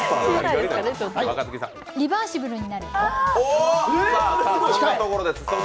リバーシブルになる？